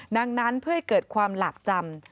ดังนั้นเพื่อให้เกิดความหลาบจำ